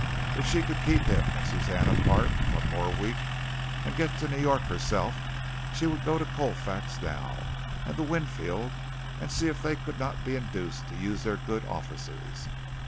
If she could keep him and Suzanne apart one more week, and get to New York herself, she would go to Colfax now, and to Winfield, and see if they could not be induced to use their good offices.